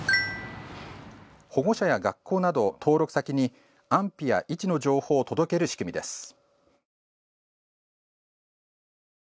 保護者や学校など登録先に安否や位置の情報を届ける仕組みです。